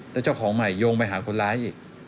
แล้วเจ้าของใหม่โยงไปหาคนร้ายอีก